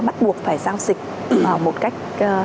bắt buộc phải giao dịch một cách